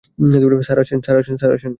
Sir, আসেন।